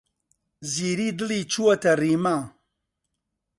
زیری دڵی چووەتە ڕیما.